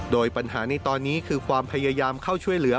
โดยปัญหาในตอนนี้คือความพยายามเข้าช่วยเหลือ